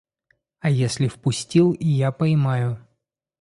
А если впустил, я поймаю.